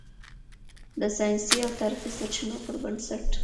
د "ساینسي او تاریخي سرچینو" پر بنسټ